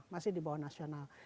masih di bawah nasional